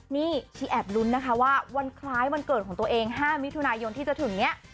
นี่ที่แอบลุ้นนะคะว่าวันคล้ายวันเกิดของตัวเอง๕มิถุนายนที่จะถึงเนี่ย